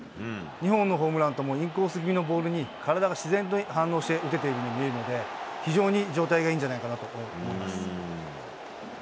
２本のホームランとも、インコース気味のボールに体が自然と反応して打てているように見えるので、非常に状態がいいんじゃないかなと思います。